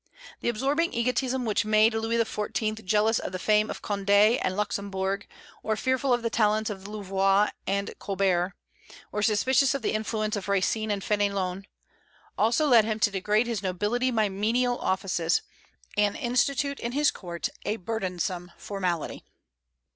That absorbing egotism which made Louis XIV. jealous of the fame of Condé and Luxembourg, or fearful of the talents of Louvois and Colbert, or suspicious of the influence of Racine and Fénelon, also led him to degrade his nobility by menial offices, and institute in his court a burdensome formality.